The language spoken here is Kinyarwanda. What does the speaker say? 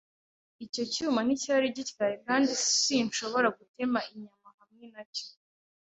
Icyo cyuma nticyari gityaye kandi sinshobora gutema inyama hamwe nacyo,